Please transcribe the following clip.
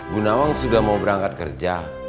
bu nawang sudah mau berangkat kerja